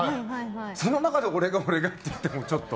その中で俺が俺がっていってもちょっと。